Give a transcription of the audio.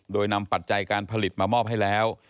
โดยนำปัจจัยการผลิตมามอบให้แล้ว